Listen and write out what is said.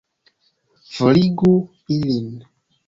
Forigu ilin!